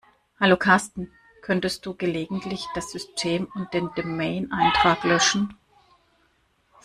Hallo Carsten, könntest du gelegentlich das System und den Domain-Eintrag löschen?